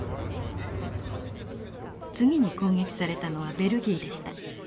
次に攻撃されたのはベルギーでした。